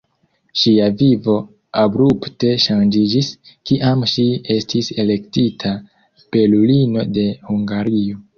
Ŝia vivo abrupte ŝanĝiĝis, kiam ŝi estis elektita "belulino de Hungario".